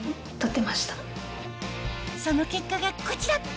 その結果がこちら！